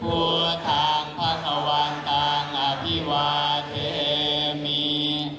ภูทางพระขวังต่างอภิวาเทมี